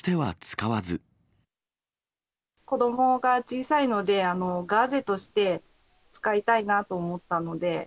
子どもが小さいので、ガーゼとして使いたいなと思ったので。